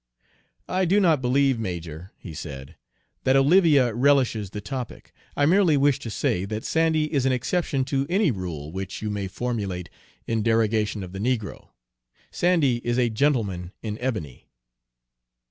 "I do not believe, major," he said, "that Olivia relishes the topic. I merely wish to say that Sandy is an exception to any rule which you may formulate in derogation of the negro. Sandy is a gentleman in ebony!"